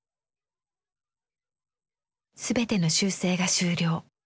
全ての修正が終了。